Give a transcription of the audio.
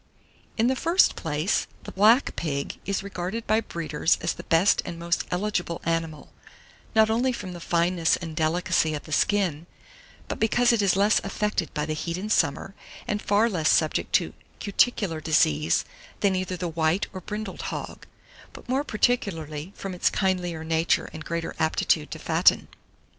In the first place, the Black Pig is regarded by breeders as the best and most eligible animal, not only from the fineness and delicacy of the skin, but because it is less affected by the heat in summer, and far less subject to cuticular disease than either the white or brindled hog, but more particularly from its kindlier nature and greater aptitude to fatten.